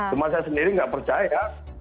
cuma saya sendiri nggak percaya